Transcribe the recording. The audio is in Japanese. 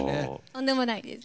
とんでもないです。